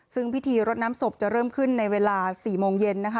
ซึ่งพิธีรดน้ำศพจะเริ่มขึ้นในเวลา๔โมงเย็นนะคะ